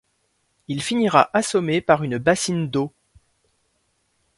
Il finira assommé par une bassine d'eau.